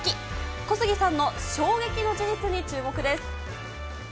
小杉さんの衝撃の事実に注目です。